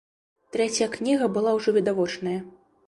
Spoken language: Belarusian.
Трэцяя кніга была ўжо відавочная.